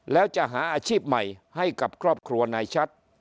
แล้วจะหาอาชีพใหม่ให้กับครอบครัวนายชัด